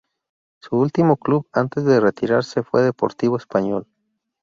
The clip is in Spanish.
Su último club antes de retirarse fue Deportivo Español.